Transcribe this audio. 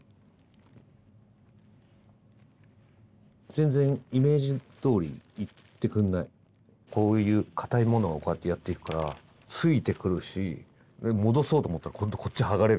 全然こういう硬いものをこうやってやっていくからついてくるし戻そうと思ったら今度こっち剥がれるし。